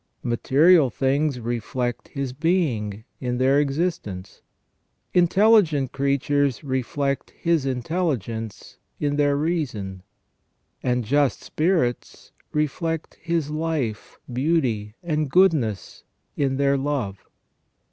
Material things reflect His Being in their existence, intelligent creatures reflect His intelligence in their reason, and just spirits reflect His life, beauty, and goodness in their love.